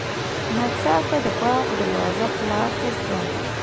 ناڅاپه د باغ دروازه خلاصه شوه.